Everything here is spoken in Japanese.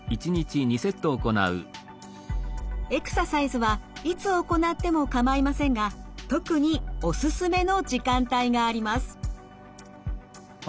エクササイズはいつ行っても構いませんが特におすすめの時間帯があります。